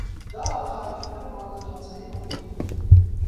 Դա արտահայտվում էր մակընթացային ալիքներով։